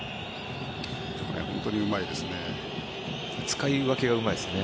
本当にうまいですね。